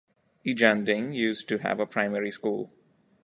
Ejanding used to have a Primary school.